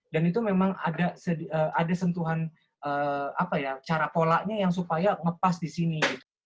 dan itu memang ada sentuhan cara polanya yang supaya ngepas di sini